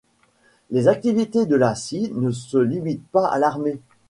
Les activités de Lacy ne se limitent pas à l'armée.